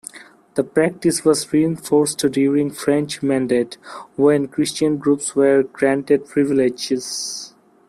The practice was reinforced during French mandate, when Christian groups were granted privileges.